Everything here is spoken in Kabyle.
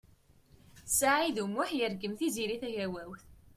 Saɛid U Muḥ yergem Tiziri Tagawawt.